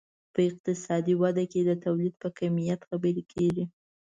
په اقتصادي وده کې د تولید په کمیت خبرې کیږي.